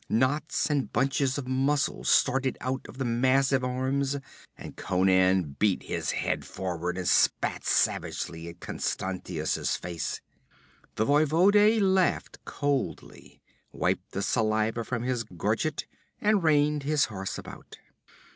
Knots and bunches of muscle started out of the massive arms, and Conan beat his head forward and spat savagely at Constantius's face. The voivode laughed coolly, wiped the saliva from his gorget and reined his horse about.